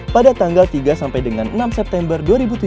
pada tanggal tiga sampai dengan enam september dua ribu tujuh belas